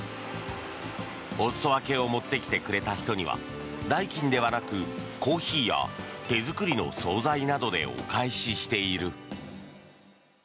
お裾分けを持ってきてくれた人には代金ではなくコーヒーや手作りの総菜などでお返ししている。